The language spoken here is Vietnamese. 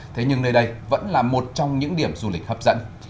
thế nhưng nơi đây vẫn là một trong những điểm du lịch hấp dẫn